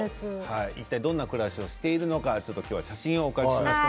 いったいどんな暮らしをしているのかお写真をお借りしました。